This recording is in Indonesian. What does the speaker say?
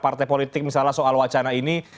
partai politik misalnya soal wacana ini